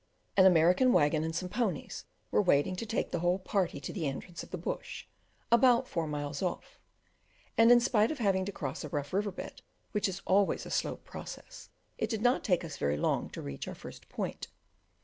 An American waggon and some ponies were waiting to take the whole party to the entrance of the bush, about four miles off, and, in spite of having to cross a rough river bed, which is always a slow process, it did not take us very long to reach our first point.